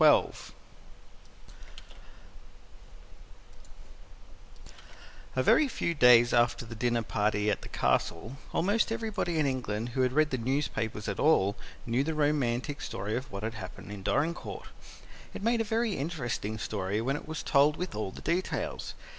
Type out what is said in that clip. XII A very few days after the dinner party at the Castle, almost everybody in England who read the newspapers at all knew the romantic story of what had happened at Dorincourt. It made a very interesting story when it was told with all the details.